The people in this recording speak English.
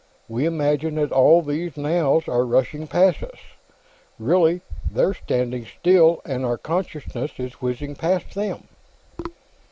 We imagine that all those nows are rushing past us. Really, they're standing still, and our consciousness is whizzing past them."